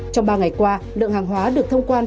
trong ba ngày qua lượng hàng hóa được thông quan